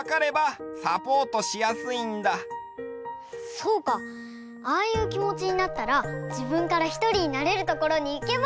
そうかああいうきもちになったらじぶんからひとりになれるところにいけばいいのかも。